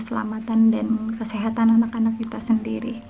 keselamatan dan kesehatan anak anak kita sendiri